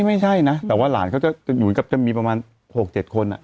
ไม่ใช่นะแต่ว่าหลานเขาจะเหมือนกับจะมีประมาณ๖๗คน